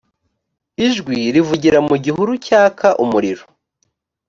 ijwi rivugira mu gihuru cyaka umuriro